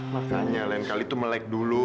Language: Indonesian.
makanya lain kali itu melek dulu